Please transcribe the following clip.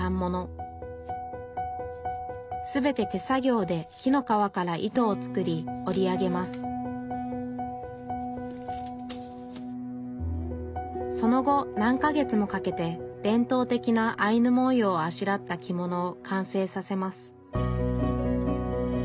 全て手作業で木の皮から糸を作り織り上げますその後何か月もかけて伝統的なアイヌ文様をあしらった着物を完成させます